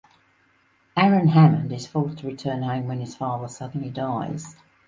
Aaron Hammond is forced to return home when his father suddenly dies.